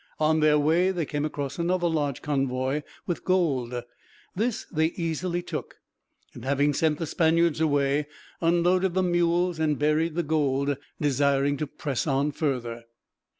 On their way they came across another large convoy, with gold. This they easily took and, having sent the Spaniards away, unloaded the mules and buried the gold, desiring to press on further.